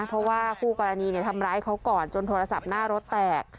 เพราะว่าคู่กรณีทำร้ายเขาก่อนจนโทรศัพท์หน้ารถแตก